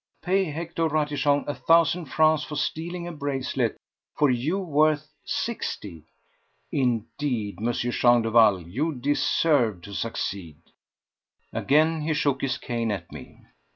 Pay Hector Ratichon a thousand francs for stealing a bracelet for you worth sixty! Indeed, M. Jean Duval, you deserved to succeed!" Again he shook his cane at me.